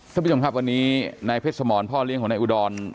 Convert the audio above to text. ท่านผู้ชมครับวันนี้นายเพชรสมรพ่อเลี้ยงของนายอุดร